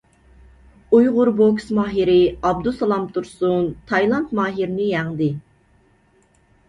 ئۇيغۇر بوكس ماھىرى ئابدۇسالام تۇرسۇن تايلاند ماھىرىنى يەڭدى.